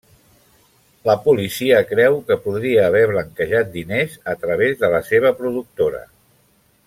La policia creu que podria haver blanquejat diners a través de la seva productora.